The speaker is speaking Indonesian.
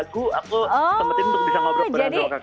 aku mau ngeda lagu aku sempetin untuk bisa ngobrol berantem sama kakak